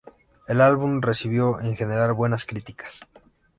El álbum recibió, en general, buenas críticas.